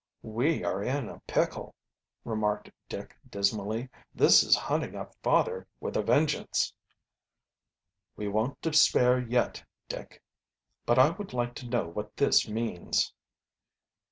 "We are in a pickle," remarked Dick dismally. "This is hunting up father with a vengeance." "We won't despair yet, Dick. But I would like to know what this means."